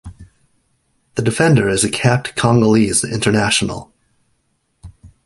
The defender is a capped Congolese international.